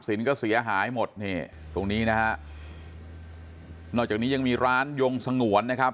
สินก็เสียหายหมดนี่ตรงนี้นะฮะนอกจากนี้ยังมีร้านยงสงวนนะครับ